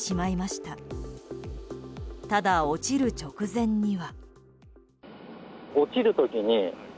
ただ、落ちる直前には。